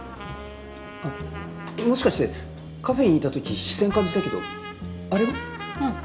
あっもしかしてカフェにいた時視線感じたけどあれも？